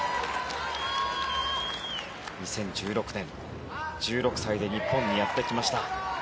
２０１６年１６歳で日本にやってきました。